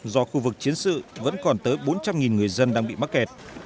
do khu vực chiến sự vẫn còn tới bốn trăm linh người dân đang bị mắc kẹt